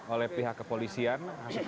oleh pihak kepolisian